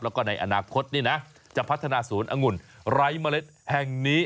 แล้วก็ในอนาคตนี่นะจะพัฒนาศูนย์องุ่นไร้เมล็ดแห่งนี้